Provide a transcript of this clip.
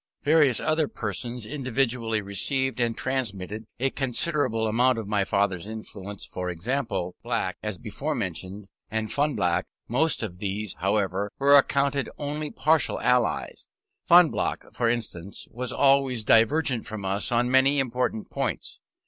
Various other persons individually received and transmitted a considerable amount of my father's influence: for example, Black (as before mentioned) and Fonblanque: most of these, however, we accounted only partial allies; Fonblanque, for instance, was always divergent from us on many important points.